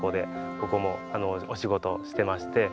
ここもお仕事してまして。